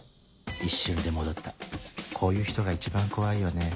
一瞬で戻ったこういう人が一番怖いよね